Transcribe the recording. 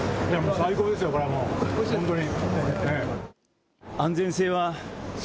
最高ですよ、これはもう、本当に。